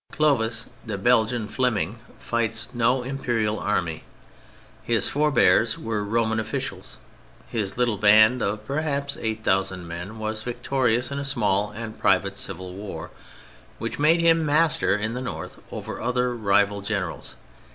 Clovis, the Belgian Fleming, fights no Imperial Army. His forebears were Roman officials: his little band of perhaps 8,000 men was victorious in a small and private civil war which made him Master in the North over other rival generals.